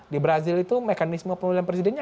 di brazil itu mekanisme pemilihan presidennya